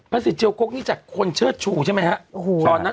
ประสิทธิ์เจียวกกนี่จากคนเชิดชูใช่มั้ยฮะ